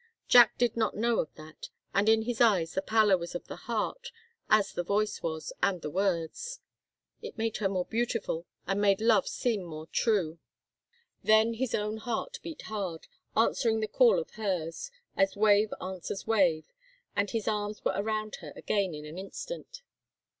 Jack did not know of that, and in his eyes the pallor was of the heart, as the voice was, and the words. It made her more beautiful, and made love seem more true. Then his own heart beat hard, answering the call of hers, as wave answers wave, and his arms were around her again in an instant.